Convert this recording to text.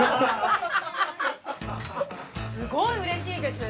すごいうれしいです。